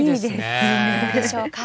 どうでしょうか。